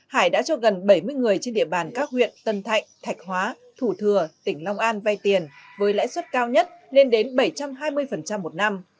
hải đã cho gần bảy mươi người trên địa bàn các huyện tân thạnh thạch hóa thủ thừa tỉnh long an vay tiền với lãi suất cao nhất lên đến bảy trăm hai mươi một năm